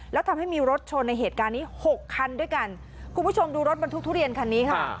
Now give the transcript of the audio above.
แล้วทำให้มีรถชนในเหตุการณ์นี้หกคันด้วยกันคุณผู้ชมดูรถบรรทุกทุเรียนคันนี้ค่ะ